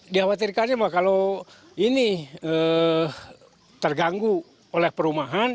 dikhawatirkannya bahwa kalau ini terganggu oleh perumahan